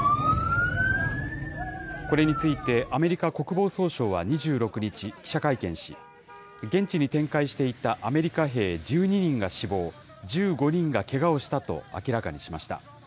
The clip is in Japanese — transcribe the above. これについてアメリカ国防総省は２６日、記者会見し、現地に展開していたアメリカ兵１２人が死亡、１５人がけがをしたと明らかにしました。